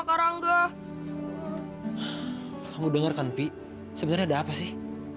kamu denger kan pi sebenernya ada apa sih